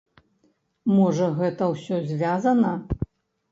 Можа, гэта ўсё звязана.